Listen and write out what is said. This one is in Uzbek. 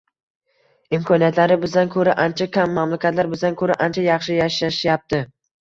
imkoniyatlari bizdan ko‘ra ancha kam mamlakatlar bizdan ko‘ra ancha yaxshi yashashyapti.